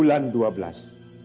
bulan dua belas